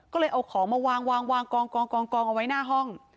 ก็เลยเอาของมาวางวางวางกองกองกองกองเอาไว้หน้าห้อง